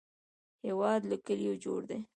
هېواد له کلیو جوړ دی